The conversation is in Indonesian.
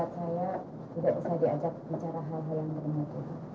iya sayangnya tetangga dekat saya tidak bisa diajak bicara hal hal yang bermutu